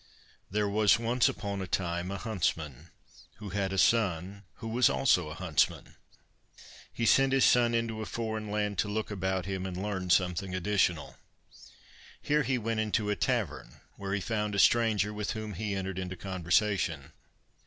There was once upon a time a huntsman, who had a son, who was also a huntsman. He sent his son into a foreign [Pg 93] land, to look about him and learn something additional. Here he went into a tavern, where he found a stranger, with whom he entered into conversation.